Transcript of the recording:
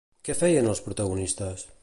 Què feien, els protagonistes?